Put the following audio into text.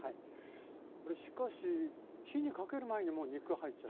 これしかし火にかける前にもう肉入っちゃう。